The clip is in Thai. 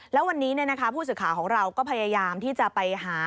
แล้ววันนี้เนี่ยนะคะผู้ศึกขาของเราก็พยายามที่จะไปหา